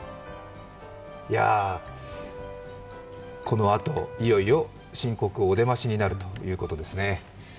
このあと、いよいよ新国王お出ましになるということですね。